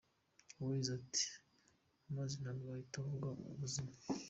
Way ati "Amazi ntabwo ahita avuga ubuzima.